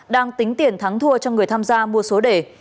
đang tính tiền thắng thua cho người tham gia mua số đề